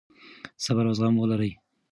صبر او زغم ولرئ.